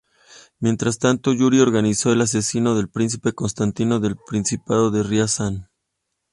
Mientras tanto, Yuri organizó el asesinato del príncipe Constantino de Principado de Riazán.